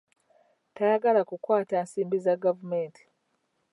Tayagala kukwata nsimbi za gavumenti.